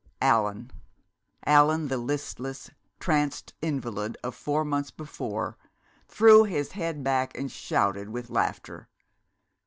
Allan Allan the listless, tranced invalid of four months before threw his head back and shouted with laughter.